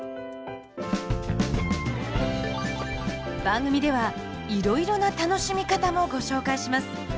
番組ではいろいろな楽しみ方もご紹介します。